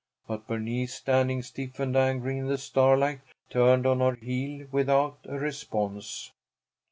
But Bernice, standing stiff and angry in the starlight, turned on her heel without a response.